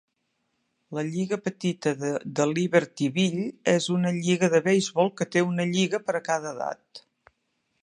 La Lliga Petita de Libertyville és una lliga de beisbol que té una lliga per a cada edat.